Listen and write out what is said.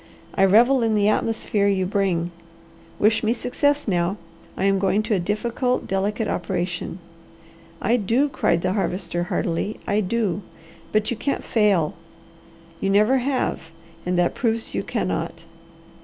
I revel in the atmosphere you bring. Wish me success now, I am going to a difficult, delicate operation." "I do!" cried the Harvester heartily. "I do! But you can't fail. You never have and that proves you cannot!